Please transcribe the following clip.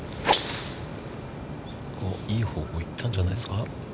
いい方向に行ったんじゃないですか。